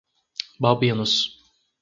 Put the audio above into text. Balbinos